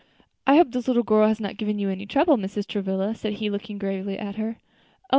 "I hope this little girl has not given you any trouble, Mrs. Travilla," said he, looking gravely at her. "Oh!